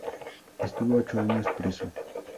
Estuvo ocho años preso.